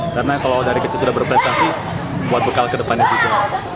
karena kalau dari kecil sudah berprestasi buat bekal ke depannya juga